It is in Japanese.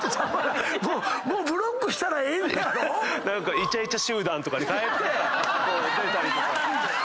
「イチャイチャ集団」とかに変えて出たりとか。